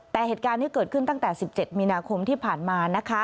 แต่เหตุการณ์ที่เกิดขึ้นตั้งแต่๑๗มีนาคมที่ผ่านมานะคะ